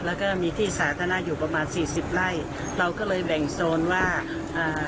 แล้วก็มีที่สาธารณะอยู่ประมาณสี่สิบไร่เราก็เลยแบ่งโซนว่าอ่า